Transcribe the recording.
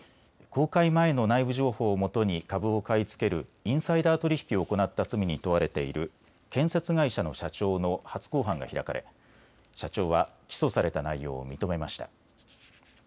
公開前の内部情報をもとに株を買い付けるインサイダー取引を行った罪に問われている建設会社の社長の初公判が開かれ社長は起訴された内容を認めました。